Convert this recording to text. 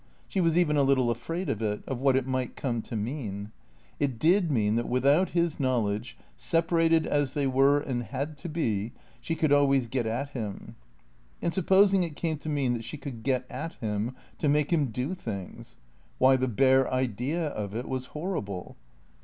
She was even a little afraid of it, of what it might come to mean. It did mean that without his knowledge, separated as they were and had to be, she could always get at him. And supposing it came to mean that she could get at him to make him do things? Why, the bare idea of it was horrible.